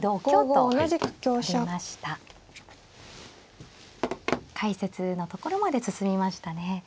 解説のところまで進みましたね。